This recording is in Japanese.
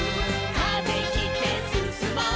「風切ってすすもう」